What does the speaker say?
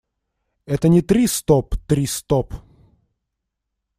Это не «три – стоп», «три – стоп».